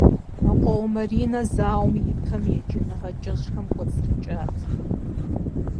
Мэкъуауэ Маринэ зауэм ипэм еджэныгъэ кӏэщӏхэм кӏуэцӏрыкӏат.